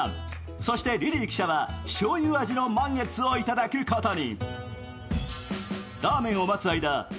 そしてリリー記者は、しょうゆ味味の満月を頂くことに。